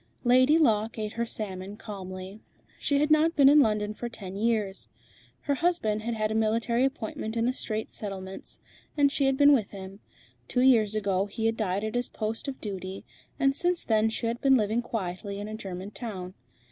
Lady Locke ate her salmon calmly. She had not been in London for ten years. Her husband had had a military appointment in the Straits Settlements, and she had been with him. Two years ago he had died at his post of duty, and since then she had been living quietly in a German town.